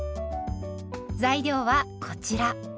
材料はこちら。